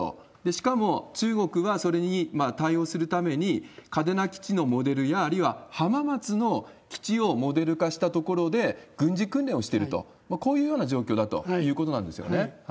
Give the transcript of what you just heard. しかも、中国はそれに対応するために、嘉手納基地のモデルや、あるいは浜松の基地をモデル化したところで軍事訓練をしていると、こういうような状況だということなんですよね。